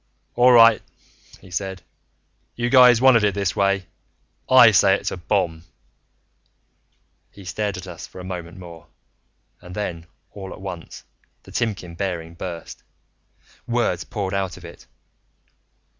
"All right," he said. "You guys wanted it this way. I say it's a bomb." He stared at us for a moment more and then, all at once, the Timkin bearing burst. Words poured out of it.